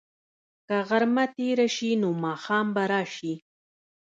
که غرمه تېره شي، نو ماښام به راشي.